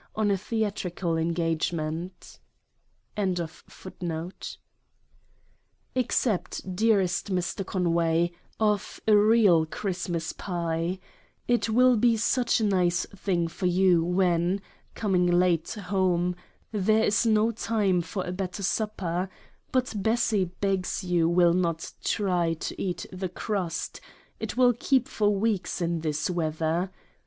27 LETTER III.* Wednesday, 29 December, 1819. Accept, dearest Mr. Conway, of a real Christmas Pye : it will be such a nice thing for you when, coming late home, there is no time for a better supper; but Bessy begs you will not try to eat the crust : it will keep for weeks this weather.